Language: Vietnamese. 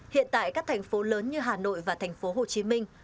hiện tại các thành phố lớn như hà nội và thành phố hồ chí minh